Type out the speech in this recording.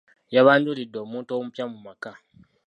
Yabanjulidde omuntu omupya mu maka.